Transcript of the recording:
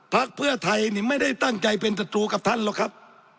พักเพื่อไทยไม่ได้ตั้งใจเป็นศัตรูกับท่านหรอกครับ